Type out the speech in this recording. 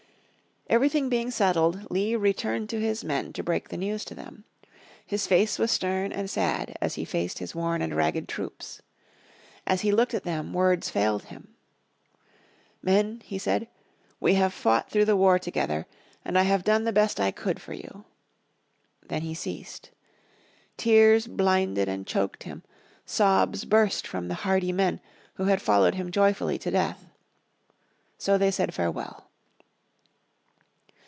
Everything being settled, Lee returned to his men to break the news to them. His face was stern and sad as he faced his worn and ragged troops. As he looked at them words failed him. "Men," he said, "we have fought through the war together, and I have done the best I could for you." Then he ceased. Tears blinded and choked him, sobs burst from the hardy men who had followed him joyfully to death. So they said farewell.